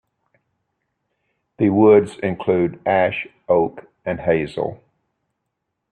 The woods include ash, oak, and hazel.